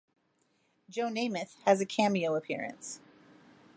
Joe Namath has a cameo appearance.